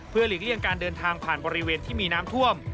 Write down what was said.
หลีกเลี่ยงการเดินทางผ่านบริเวณที่มีน้ำท่วม